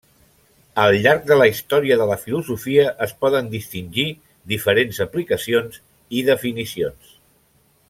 Al llarg de la història de la filosofia es poden distingir diferents aplicacions i definicions.